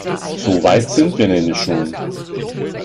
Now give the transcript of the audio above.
So weit sind wir nämlich schon.